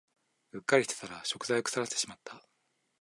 うっかりしてたら食材を腐らせてしまった